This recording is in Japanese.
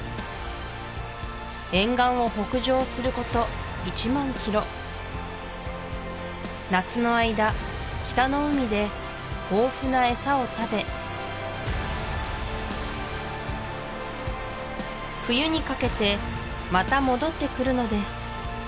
沿岸を北上すること１万ｋｍ夏の間北の海で豊富なエサを食べ冬にかけてまた戻ってくるのです